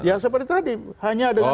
ya seperti tadi hanya dengan